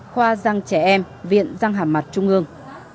khoa giang trẻ em viện răng hàm mặt trung ương